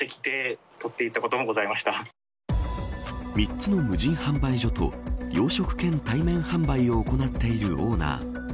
３つの無人販売所と養殖兼対面販売を行っているオーナー